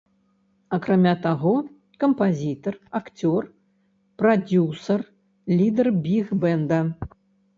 Акрамя таго, кампазітар, акцёр, прадзюсар, лідар біг-бэнда.